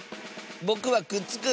ぼくはくっつく！